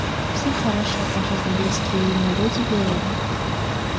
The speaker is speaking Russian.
Все хорошие по жизни близкие ему люди верили.